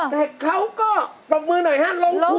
แต่เขาก็ปรบมือหน่อยฮะลงถูกด้วยโหเสียบ